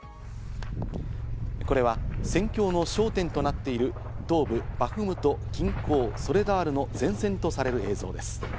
これは戦況の焦点となっている東部バフムト近郊ソレダールの前線とされる映像です。